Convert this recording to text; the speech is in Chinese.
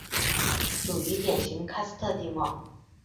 属于典型喀斯特地貌。